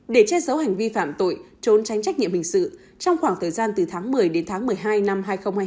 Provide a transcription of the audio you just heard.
để che giấu hành vi phạm tội trốn tránh trách nhiệm hình sự trong khoảng thời gian từ tháng một mươi đến tháng một mươi hai năm hai nghìn hai mươi